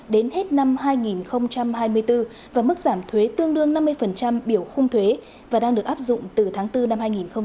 đến hết năm hai nghìn hai mươi bốn và mức giảm thuế tương đương năm mươi biểu khung thuế và đang được áp dụng từ tháng bốn năm hai nghìn hai mươi